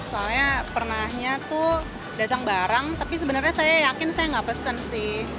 soalnya pernahnya tuh datang barang tapi sebenarnya saya yakin saya nggak pesen sih